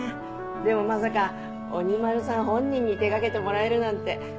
でもまさか鬼丸さん本人に手掛けてもらえるなんて。